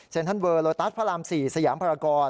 เซ็นทรัสเวอร์โลตัสพระราม๔สยามพรากร